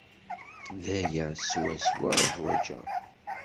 D aya swaswa i ḥwajeɣ.